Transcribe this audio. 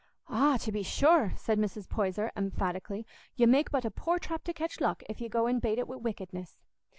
"Ah, to be sure," said Mrs. Poyser, emphatically, "you make but a poor trap to catch luck if you go and bait it wi' wickedness.